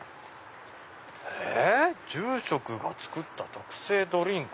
住職が作った特製ドリンク。